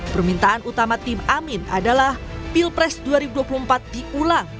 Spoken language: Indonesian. permintaan utama tim amin adalah pilpres dua ribu dua puluh empat diulang